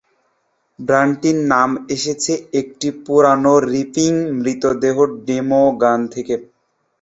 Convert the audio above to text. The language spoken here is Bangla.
ব্যান্ডটির নাম এসেছে একটি পুরোনো রিপিং মৃতদেহের ডেমো গান থেকে।